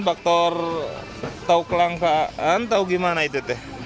faktor tau kelangkaan tau gimana itu deh